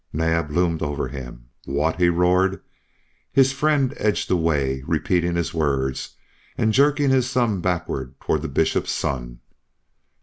Naab loomed over him. "What!" he roared. His friend edged away, repeating his words and jerking his thumb backward toward the Bishop's son.